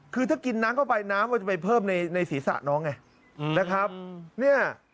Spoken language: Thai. คือถ้ากินน้ำเข้าไปน้ำก็จะไปเพิ่มในศีรษะน้องไง